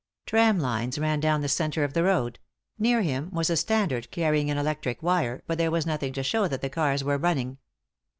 Tram lines ran down the centre of the road ; near him was a standard carrying an electric wire, but there was nothing to show that the cars were running.